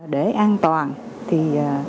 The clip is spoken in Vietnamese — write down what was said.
để an toàn thì